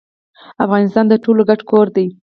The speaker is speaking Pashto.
افغانستان د ټولو ګډ کور دی